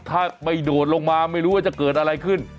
ถ้าไม่โดดลงมาไม่รู้ว่าจะเกิดอะไรขึ้น